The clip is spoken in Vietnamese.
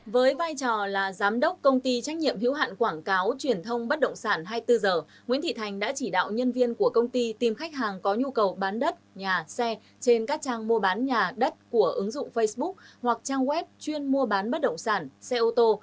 với vai trò là giám đốc công ty trách nhiệm hữu hạn quảng cáo truyền thông bất động sản hai mươi bốn h nguyễn thị thành đã chỉ đạo nhân viên của công ty tìm khách hàng có nhu cầu bán đất nhà xe trên các trang mua bán nhà đất của ứng dụng facebook hoặc trang web chuyên mua bán bất động sản xe ô tô